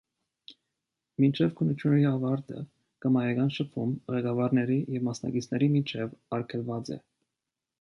Մինչև քննությունների ավարտը կամայական շփում ղեկավարների և մասնակիցների միջև արգելված է։